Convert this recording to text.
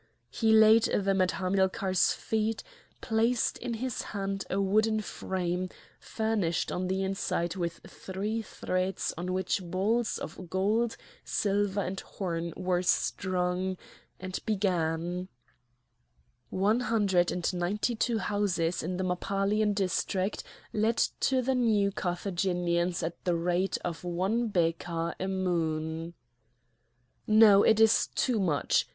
He laid them at Hamilcar's feet, placed in his hands a wooden frame furnished on the inside with three threads on which balls of gold, silver, and horn were strung, and began: "One hundred and ninety two houses in the Mappalian district let to the New Carthaginians at the rate of one bekah a moon." "No! it is too much!